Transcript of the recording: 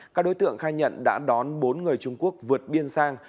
các đối tượng khai nhận đã đón bốn người trung quốc vượt biên sang